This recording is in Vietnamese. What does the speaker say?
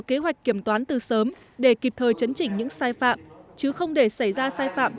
kế hoạch kiểm toán từ sớm để kịp thời chấn chỉnh những sai phạm chứ không để xảy ra sai phạm